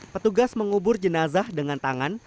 petugas mengubur jenazah dengan tangan